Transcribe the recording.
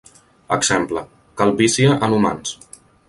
Exemple: calvície en humans.